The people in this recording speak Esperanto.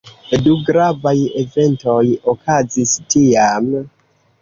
Du gravaj eventoj okazis tiam.